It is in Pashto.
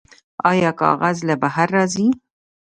آیا کاغذ له بهر راځي؟